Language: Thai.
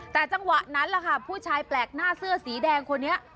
แต่จังหวะนั้นแหละค่ะผู้ชายแปลกหน้าเสื้อสีแดงคนนี้